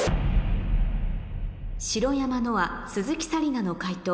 白山乃愛鈴木紗理奈の解答